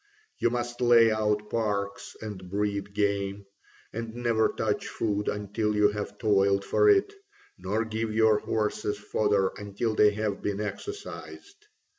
You must lay out parks and breed game, and never touch food until you have toiled for it, nor give your horses fodder until they have been exercised.